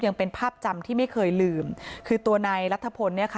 ยังเป็นภาพจำที่ไม่เคยลืมคือตัวนายรัฐพลเนี่ยค่ะ